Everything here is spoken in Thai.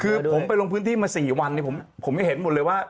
คือผมไปลงพื้นที่มา๔วันผมเห็นหมดเลยว่า